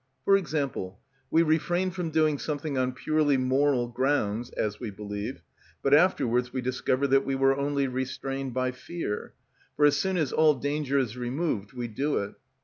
For example, we refrain from doing something on purely moral grounds, as we believe, but afterwards we discover that we were only restrained by fear, for as soon as all danger is removed we do it.